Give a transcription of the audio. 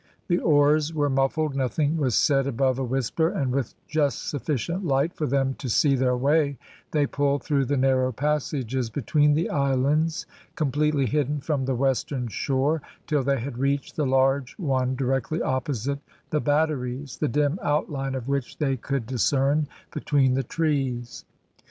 The oars were muffled, nothing was said above a whisper, and with just sufficient light for them to see their way, they pulled through the narrow passages between the islands, completely hidden from the western shore, till they had reached the large one directly opposite the batteries, the dim outline of which they could discern between the trees.